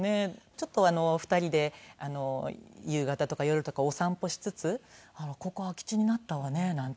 ちょっと２人で夕方とか夜とかお散歩しつつ「ここ空き地になったわね」なんて言って。